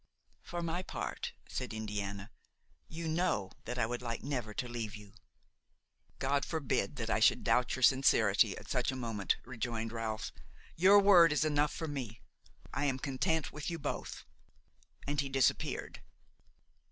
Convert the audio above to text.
"For my part," said Indiana, "you know that I would like never to leave you." "God forbid that I should doubt your sincerity at such a moment!" rejoined Ralph; "your word is enough for me; I am content with you both." And he disappeared.